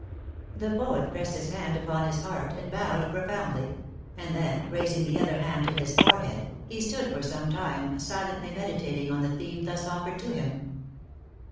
The poet pressed his hand upon his heart, and bowed profoundly, and then, raising the other hand to his forehead, he stood for some time silently meditating on the theme thus offered to him.